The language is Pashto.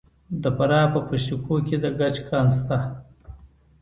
د فراه په پشت کوه کې د ګچ کان شته.